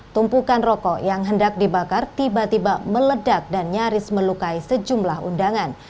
tumpukan rokok yang hendak dibakar tiba tiba meledak dan nyaris melukai sejumlah undangan